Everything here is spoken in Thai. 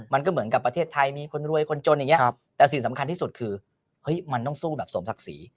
มันก็เหมือนกับประเทศไทยมีคนรวยคนจนอย่างนี้แต่สิ่งสำคัญที่สุดคือเฮ้ยมันต้องสู้แบบสมศักดิ์ศรี